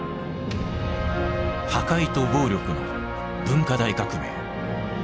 破壊と暴力の「文化大革命」。